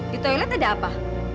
di toilet ada apa